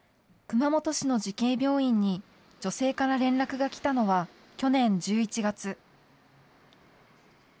熊本市の慈恵病院に女性から連絡が来たのは、去年１１月。